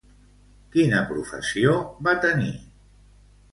Quina professió va tenir?